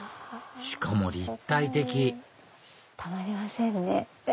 しかも立体的たまりませんね。